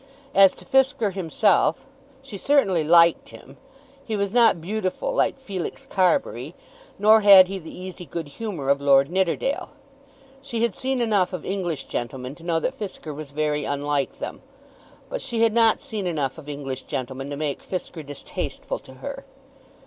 As to Fisker himself, she certainly liked him. He was not beautiful like Felix Carbury, nor had he the easy good humour of Lord Nidderdale. She had seen enough of English gentlemen to know that Fisker was very unlike them. But she had not seen enough of English gentlemen to make Fisker distasteful to her.